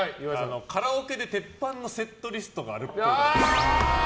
カラオケで鉄板のセットリストがあるっぽい。